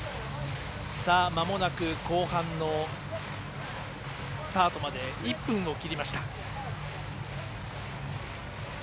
まもなく後半のスタートまで１分を切りました。